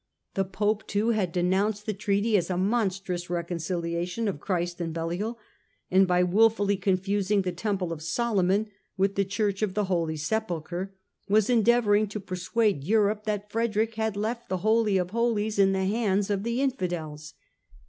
The Pope, too, had denounced the treaty as a monstrous reconciliation of Christ and Belial and, by wilfully confusing the Temple of Solomon with the Church of the Holy Sepulchre, was endeavouring to persuade Europe that Frederick had left the Holy of Holies in the hands of the Infidels.